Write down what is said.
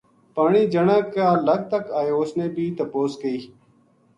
پانی جنا کا لَک تک اَیو اُس نے بھی تپوس کئی